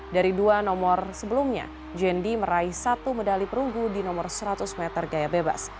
dari dua nomor sebelumnya jendi meraih satu medali perunggu di nomor seratus meter gaya bebas